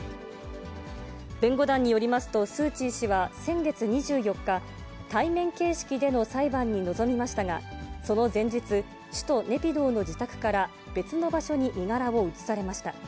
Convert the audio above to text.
弁護団によりますとスー・チー氏は先月２４日、対面形式での裁判に臨みましたが、その前日、首都ネピドーの自宅から別の場所に身柄を移されました。